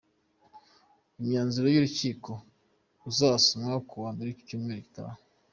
Umyanzuro w'urukiko uzasomwa ku wa mbere w'icyumweru gitaha.